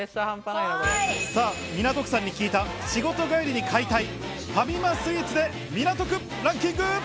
港区さんに聞いた、仕事帰りに買いたいファミマスイーツで港区ランキング。